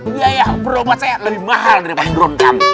biaya yang berobat saya lebih mahal daripada drone kamu